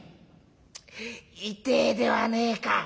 痛えではねえか」。